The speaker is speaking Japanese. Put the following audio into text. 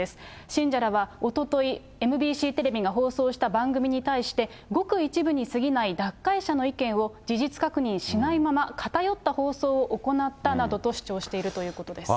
信者らはおととい、ＭＢＣテレビが放送した番組に対して、ごく一部にすぎない脱会者の意見を、事実確認しないまま、偏った放送を行ったなどと主張しているということです。